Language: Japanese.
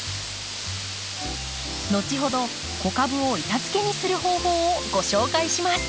後ほど子株を板づけにする方法をご紹介します。